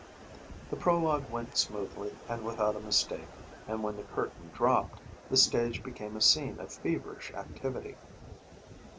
The prologue went smoothly and without a mistake and when the curtain dropped the stage became a scene of feverish activity.